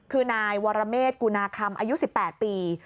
คือนายวรเมฆกุณาคำอายุ๑๘ปี